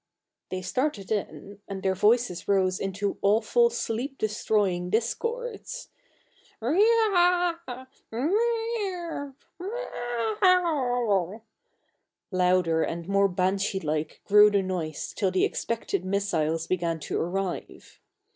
They started in, and their voices rose into awful sleep destroying discords: "R r r i ah M m r r riee Mer r r row!" Louder and more banshee like grew the noise till the expected missiles began to arrive.